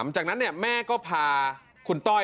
จากนั้นแม่ก็พาคุณต้อย